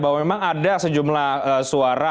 bahwa memang ada sejumlah suara